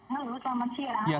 halo selamat siang